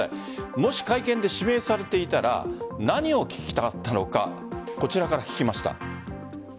もし、会見で指名されていたら何を聞きたかったのかこちらから聞きました。